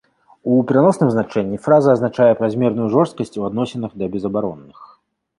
У пераносным значэнні фраза азначае празмерную жорсткасць у адносінах да безабаронных.